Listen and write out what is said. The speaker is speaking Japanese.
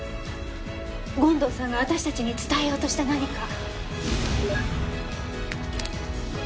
権藤さんが私たちに伝えようとした何か。